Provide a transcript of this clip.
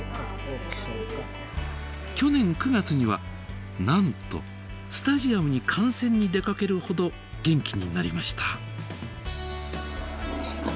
去年９月にはなんとスタジアムに観戦に出かけるほど元気になりました。